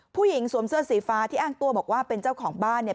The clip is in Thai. สวมเสื้อสีฟ้าที่อ้างตัวบอกว่าเป็นเจ้าของบ้านเนี่ย